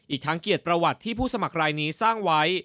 อีกทั้งเกียรติประวัติที่ผู้สมัครรายนี้สร้างไว้